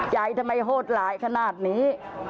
ใจทำไมโหดร้ายขนาดนี้